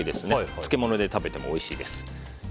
漬物で食べてもおいしいです。